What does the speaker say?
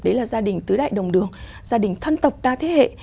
đấy là gia đình tứ đại đồng đường gia đình thân tộc đa thế hệ